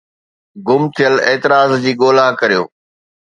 گم ٿيل اعتراض جي ڳولا ڪريو